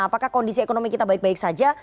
apakah kondisi ekonomi kita baik baik saja